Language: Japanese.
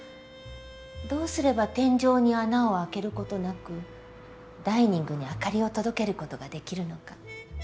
どうすれば天井に穴を開けることなくダイニングに明かりを届けることができるのか。